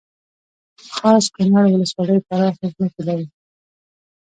خاص کونړ ولسوالۍ پراخې ځمکې لري